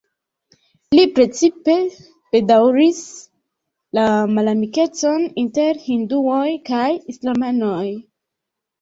Li precipe bedaŭris la malamikecon inter hinduoj kaj islamanoj.